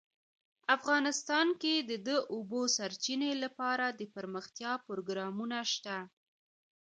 افغانستان کې د د اوبو سرچینې لپاره دپرمختیا پروګرامونه شته.